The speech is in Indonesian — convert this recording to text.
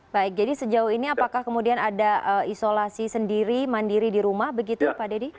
baik jadi sejauh ini apakah kemudian ada isolasi sendiri mandiri di rumah begitu pak dedy